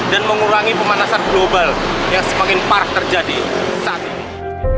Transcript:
dan mengurangi pemanasan global yang semakin parah terjadi saat ini